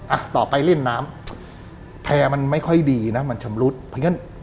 อ่ะต่อไปเล่นน้ำแพร่มันไม่ค่อยดีนะมันชำรุดเพราะฉะนั้น